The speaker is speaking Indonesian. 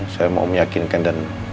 saya mau meyakinkan dan